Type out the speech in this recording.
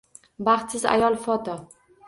Baxtsiz ayol foto